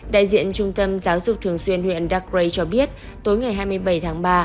đại diện trung tâm giáo dục thường xuyên huyện daray cho biết tối ngày hai mươi bảy tháng ba